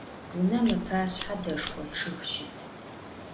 Vunem ıpaşshe deşşxo ççıg şıt.